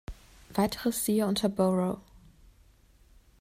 Weiteres siehe unter Borough.